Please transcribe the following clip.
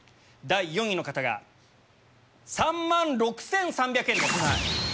第４位の方が３万６３００円です。